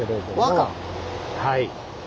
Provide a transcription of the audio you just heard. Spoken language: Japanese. はい。